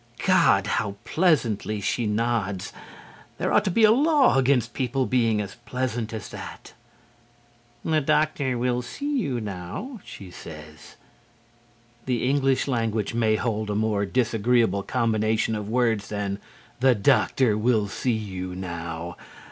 God, how pleasantly she nods! There ought to be a law against people being as pleasant as that. "The doctor will see you now," she says. The English language may hold a more disagreeable combination of words than "The doctor will see you now."